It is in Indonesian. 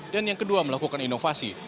dan yang kedua melakukan inovasi